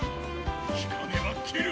ひかねば斬る！